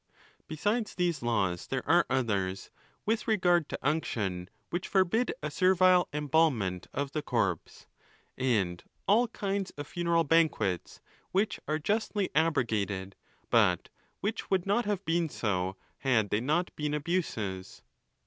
Besides these laws, there are others with regard to unction, which forbid a servile embalmment of the corpse, and all kinds of funeral banquets, which are justly abrogated, but which would not have been so had they not been abuses.